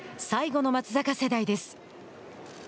最後の松坂世代です。